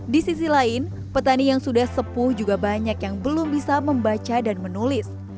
di sisi lain petani yang sudah sepuh juga banyak yang belum bisa membaca dan menulis